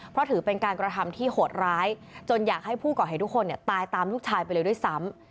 เพราะถือเป็นการกระทำที่โหดร้ายจนอยากให้ผู้ก่อเหตุทุกคนตายตามลูกชายไปเลยด้วยซ้ำ